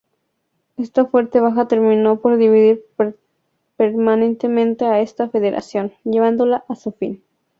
Esta fuerte baja terminó por dividir permanentemente a esta Federación, llevándola a su fin.